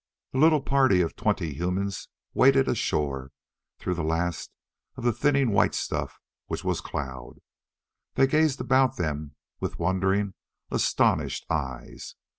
The little party of twenty humans waded ashore through the last of the thinning white stuff which was cloud. They gazed about them with wondering, astonished eyes.